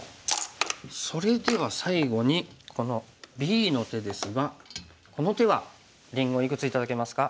それでは最後にこのＢの手ですがこの手はりんごいくつ頂けますか？